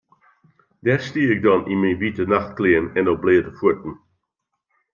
Dêr stie ik dan yn myn wite nachtklean en op bleate fuotten.